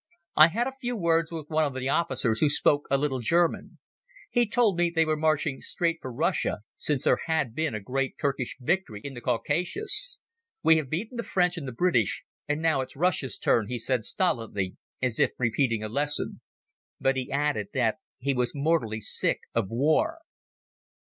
I had a few words with one of the officers who spoke a little German. He told me they were marching straight for Russia, since there had been a great Turkish victory in the Caucasus. "We have beaten the French and the British, and now it is Russia's turn," he said stolidly, as if repeating a lesson. But he added that he was mortally sick of war.